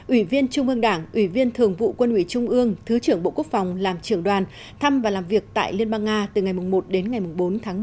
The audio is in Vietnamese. ủy viên trung ương đảng ủy viên thường vụ quân ủy trung ương thứ trưởng bộ quốc phòng làm trưởng đoàn thăm và làm việc tại liên bang nga từ ngày một đến ngày bốn tháng một mươi